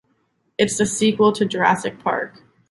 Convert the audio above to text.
It’s the sequel to "Jurassic Park."